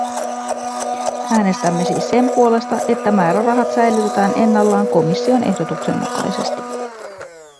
Äänestämme siis sen puolesta, että määrärahat säilytetään ennallaan komission ehdotuksen mukaisesti.